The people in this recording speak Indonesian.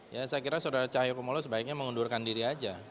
ya saya kira saudara cahayokumolo sebaiknya mengundurkan diri saja